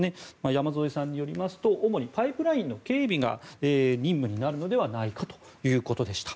山添さんによりますと主にパイプラインの警備が任務になるのではないかということでした。